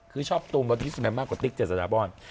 คือชอบตูมเบอร์ติ๊กสุดแบบมากกว่าติ๊กเจ็ดสระบอด